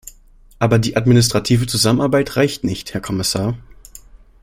Aber die administrative Zusammenarbeit reicht nicht, Herr Kommissar.